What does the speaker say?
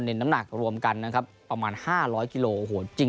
น้ำหนักรวมกันนะครับประมาณ๕๐๐กิโลโอ้โหจริง